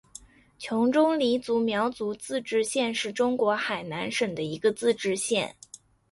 琼中黎族苗族自治县是中国海南省的一个自治县。